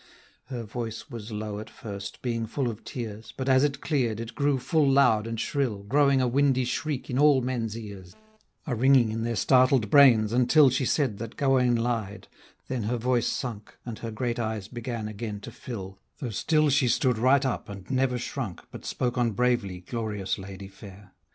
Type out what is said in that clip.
Her voice was low at first, being full of tears, But as it cleared, it grew full loud and shrill, Growing a windy shriek in all men's ears, A ringing in their startled brains, until She said that Gauwaine lied, then her voice sunk, And her great eyes began again to fill, Though still she stood right up, and never shrunk, But spoke on bravely, glorious lady fair!